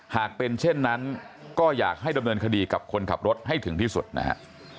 หากเป็นเช่นนั้นก็อยากให้ดำเนินคดีกับคนขับรถให้ถึงที่สุดนะฮะ